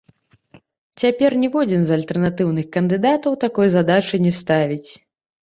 Цяпер ніводзін з альтэрнатыўных кандыдатаў такой задачы не ставіць.